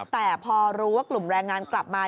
แต่พอรู้ว่ากลุ่มแรงงานกลับมา